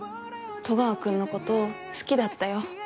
戸川君のこと好きだったよ。